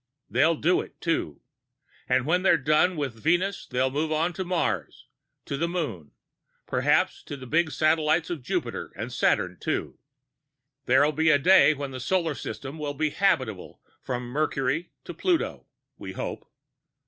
They'll do it, too and when they're done with Venus they'll move on to Mars, to the Moon, perhaps to the big satellites of Jupiter and Saturn too. There'll be a day when the solar system will be habitable from Mercury to Pluto we hope."